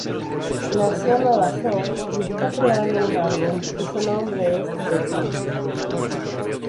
Nació en Nueva York y está creando un álbum cuyo nombre es "The Trunk".